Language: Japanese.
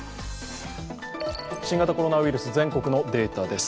新型コロナウイルス全国のデータです。